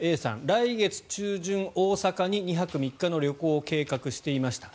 来月中旬大阪に２泊３日の旅行を計画していました。